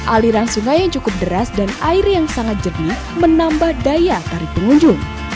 aliran sungai yang cukup deras dan air yang sangat jernih menambah daya tarik pengunjung